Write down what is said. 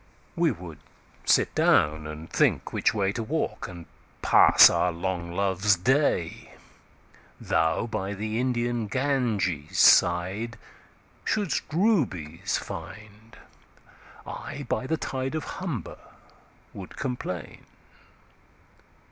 We would sit down, and think which wayTo walk, and pass our long Loves Day.Thou by the Indian Ganges sideShould'st Rubies find: I by the TideOf Humber would complain.